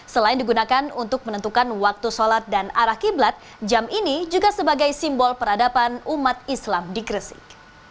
selain digunakan untuk menentukan waktu sholat dan arah qiblat jam ini juga sebagai simbol peradaban umat islam di gresik